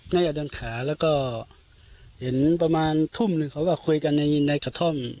น่าจะดันขาแล้วก็เห็นประมาณทุ่มหนึ่งเขาก็คุยกันในกระท่อม